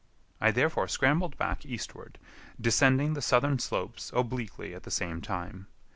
I therefore scrambled back eastward, descending the southern slopes obliquely at the same time.